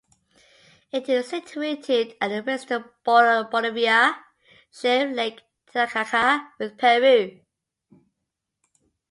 It is situated at the western border of Bolivia, sharing Lake Titicaca with Peru.